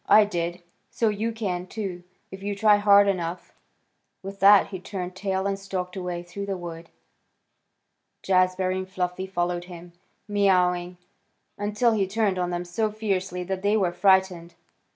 "I did, so you can, too, if you try hard enough." With that he turned tail and stalked away through the wood. Jazbury and Fluffy followed him, mewing, until he turned on them so fiercely that they were frightened.